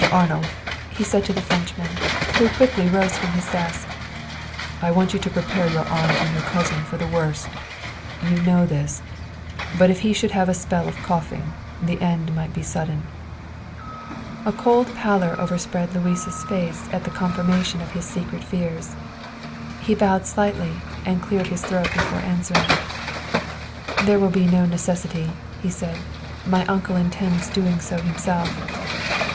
Arnold," he said to the Frenchman, who quickly rose from his desk, "I want you to prepare your aunt and your cousin for the worst. You know this; but if he should have a spell of coughing, the end might be sudden." A cold pallor overspread Louis's face at the confirmation of his secret fears. He bowed slightly and cleared his throat before answering. "There will be no necessity," he said; "my uncle intends doing so himself."